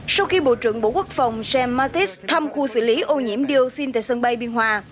sau khi bộ trưởng bộ quốc phòng james mattis thăm khu xử lý ô nhiễm dioxin tại sân bay biên hòa